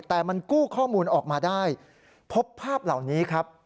แต่มันกู้ข้อมูลออกมาได้พบภาพเหล่านี้ครับ